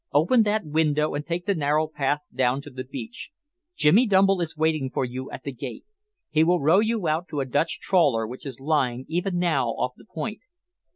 Open that window and take the narrow path down to the beach. Jimmy Dumble is waiting for you at the gate. He will row you out to a Dutch trawler which is lying even now off the point."